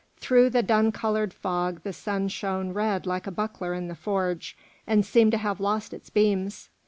Through the dun coloured fog the sun shone red like a buckler in the forge, and seemed to have lost its beams.